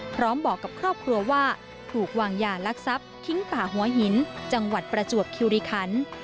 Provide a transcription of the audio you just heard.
บอกกับครอบครัวว่าถูกวางยาลักทรัพย์ทิ้งป่าหัวหินจังหวัดประจวบคิวริคัน